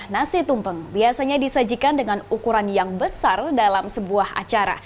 nasi tumpeng biasanya disajikan dengan ukuran yang besar dalam sebuah acara